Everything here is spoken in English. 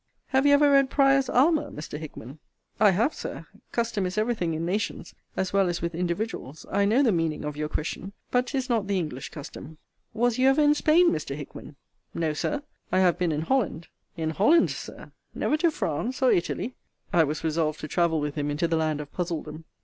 Have you ever read Prior's Alma, Mr. Hickman? I have, Sir custom is every thing in nations, as well as with individuals: I know the meaning of your question but 'tis not the English custom. Was you ever in Spain, Mr. Hickman? No, Sir: I have been in Holland. In Holland, Sir? Never to France or Italy? I was resolved to travel with him into the land of puzzledom.